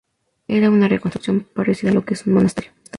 Era una construcción parecida a lo que es un monasterio.